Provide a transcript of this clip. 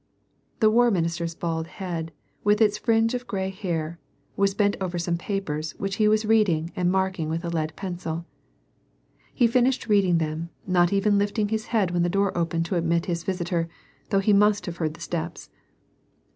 The war minister's bald head, with its fringe of gray hair, was bent over some papers which he was reading and markini^ ^th a lead pencil. He finished reading tliem, not even lift hia head when the door opened to admit his visitor, though he must have heard the steps.